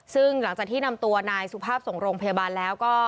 ซึ่งหลังจากที่นำตัวนายสุภาพส่งโรงพยาบาลแล้วก็